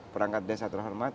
perangkat desa terhormat